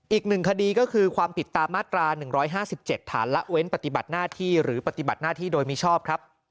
อีกหนึ่งคดีก็คือความผิดตามมาตรา๑๕๗ฐานละเว้นปฏิบัติหน้าที่หรือปฏิบัติหน้าที่โดยมิชอบครับ